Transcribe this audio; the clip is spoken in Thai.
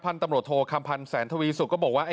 ตำรวจโทคำพันธ์แสนทวีสุกก็บอกว่า